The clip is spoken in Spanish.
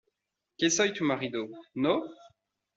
que soy tu marido, ¿ no?